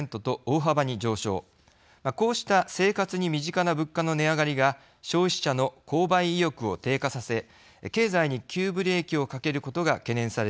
こうした生活に身近な物価の値上がりが消費者の購買意欲を低下させ経済に急ブレーキをかけることが懸念されています。